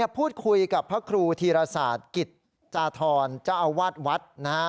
พูดคุยกับพระครูธีรศาสตร์กิจจาธรเจ้าอาวาสวัดนะฮะ